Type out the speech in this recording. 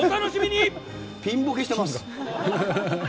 ピンボケしてます。